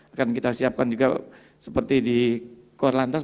akan kita siapkan juga seperti di kuala lantas